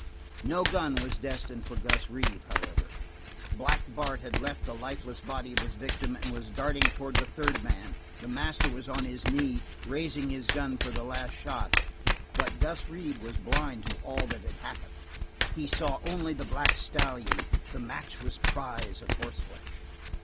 No gun was destined for Gus Reeve, however. Black Bart had left the lifeless body of his victim and was darting towards the third man; the master was on his knee, raising his gun for the last shot; but Gus Reeve was blind to all that had happened. He saw only the black stallion, the matchless prize of horseflesh.